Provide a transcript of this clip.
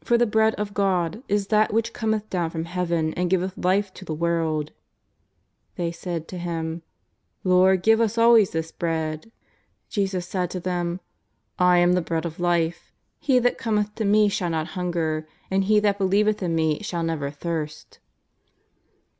For the bread of God is that which cometh down from Heaven and giveth life to the world." They said to Him :^* Lord, give us always this bread." 248 JESUS OF NAZARETH. Jesus said to them :" I am the Bread of life ; he that cometh to Me shall not hunger, and he that be lieveth in Me shall never thirst."